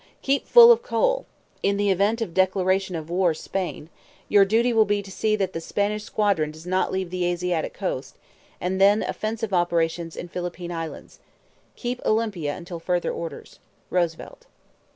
Keep full of coal. In the event of declaration of war Spain, your duty will be to see that the Spanish squadron does not leave the Asiatic coast, and then offensive operations in Philippine Islands. Keep Olympia until further orders. "'ROOSEVELT.'